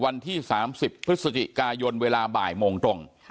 วันที่๓๐พฤศจิกายนเวลาบ่ายโมงตรง